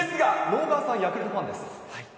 直川さん、ヤクルトファンです。